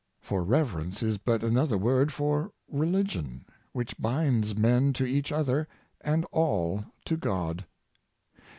For reverence is but another word for religion, which binds men to each other, and all to God.